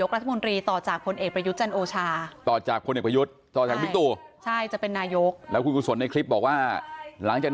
รถสิงขุนก็จะกลับตัวกลับใจ